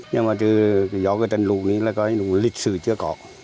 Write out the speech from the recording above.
nhưng mà chứ gió trên lũ này là lịch sử chưa có